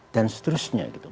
dan seterusnya gitu